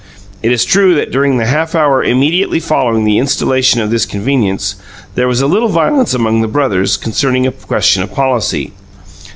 It is true that during the half hour immediately following the installation of this convenience, there was a little violence among the brothers concerning a question of policy.